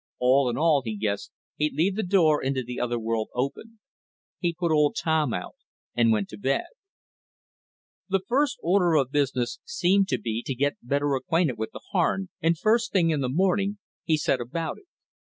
All in all, he guessed, he'd leave the door into the other world open. He put old Tom out and went to bed. The first order of business seemed to be to get better acquainted with the Harn, and first thing in the morning he set about it.